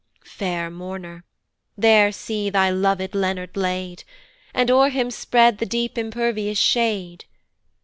Fair mourner, there see thy lov'd Leonard laid, And o'er him spread the deep impervious shade.